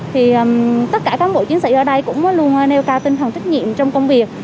thì tất cả cán bộ chiến sĩ ở đây cũng luôn nêu cao tinh thần trách nhiệm trong công việc